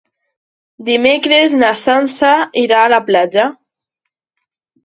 Dimecres na Sança irà a la platja.